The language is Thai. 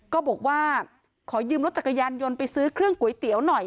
ก็บอกว่าขอยืมรถจักรยานยนต์ไปซื้อเครื่องก๋วยเตี๋ยวหน่อย